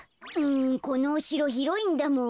このおしろひろいんだもん。